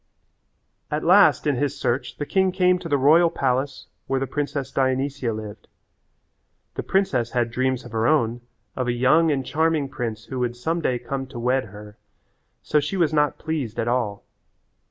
At last in his search the king came to the royal palace where the princess Dionysia lived. The princess had dreams of her own of a young and charming prince who would some day come to wed her, so she was not pleased at all.